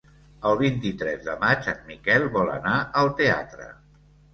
El vint-i-tres de maig en Miquel vol anar al teatre.